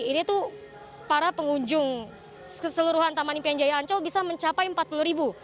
ini tuh para pengunjung keseluruhan taman impian jaya ancol bisa mencapai empat puluh ribu